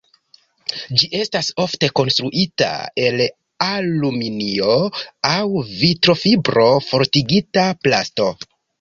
Ĝi estas ofte konstruita el aluminio aŭ vitrofibro-fortigita plasto.